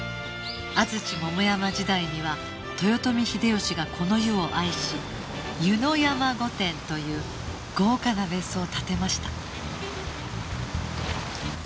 安土桃山時代には豊臣秀吉がこの湯を愛し湯山御殿という豪華な別荘を建てました